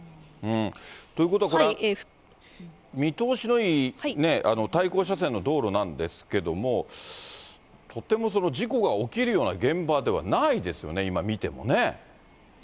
ということはこれ、見通しのいい、対向車線の道路なんですけども、とても事故が起きるような現場でそうですね。